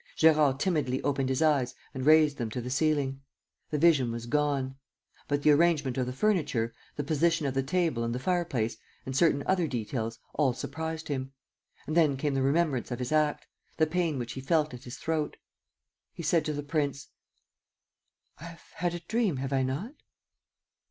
Gérard timidly opened his eyes and raised them to the ceiling. The vision was gone. But the arrangement of the furniture, the position of the table and the fireplace, and certain other details all surprised him ... And then came the remembrance of his act, the pain which he felt at his throat. ... He said to the prince: "I have had a dream, have I not?"